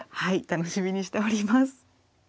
楽しみにしております。